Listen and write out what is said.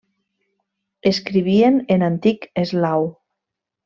Escrivien en antic eslau.